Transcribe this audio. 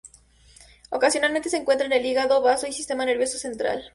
Ocasionalmente se encuentran en el hígado, bazo y sistema nervioso central.